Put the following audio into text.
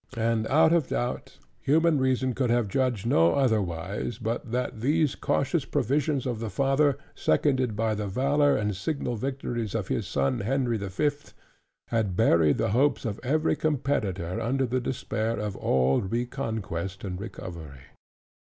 And out of doubt, human reason could have judged no otherwise, but that these cautious provisions of the father, seconded by the valor and signal victories of his son Henry the Fifth, had buried the hopes of every competitor, under the despair of all reconquest and recovery.